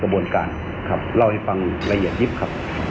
กระบวนการแบบนี้ไม่เป็นความจริง